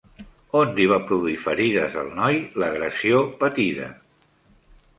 On li va produir ferides al noi l'agressió patida?